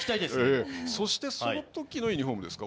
そして、その時のユニフォームですか。